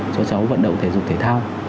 cho cháu vận động thể dục thể thao